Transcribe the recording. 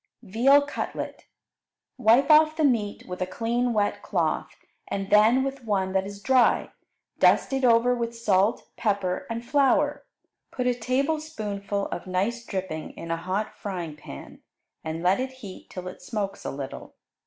Veal Cutlet Wipe off the meat with a clean wet cloth, and then with one that is dry. Dust it over with salt, pepper, and flour. Put a tablespoonful of nice dripping in a hot frying pan, and let it heat till it smokes a little.